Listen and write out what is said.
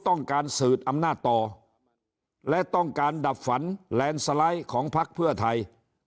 ต้องการสืบอำนาจต่อและต้องการดับฝันแลนด์สไลด์ของพักเพื่อไทย